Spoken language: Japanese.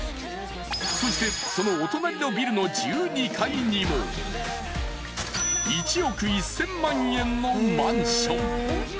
［そしてそのお隣のビルの１２階にも１億１，０００万円のマンション］